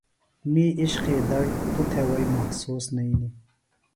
می عِشقی دڑ توۡ تھےۡ وئی محسوس نئینیۡ۔